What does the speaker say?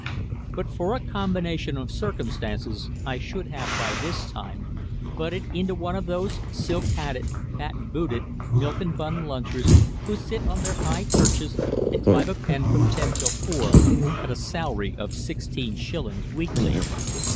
But for a combination of circumstances, I should have, by this time, budded into one of those silk hatted, patent booted, milk and bun lunchers who sit on their high perches and drive a pen from ten till four at a salary of sixteen shillings weekly.